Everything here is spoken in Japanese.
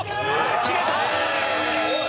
決めた！